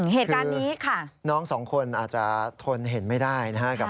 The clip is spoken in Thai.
เหตุการณ์นี้ค่ะน้องสองคนอาจจะทนเห็นไม่ได้นะครับ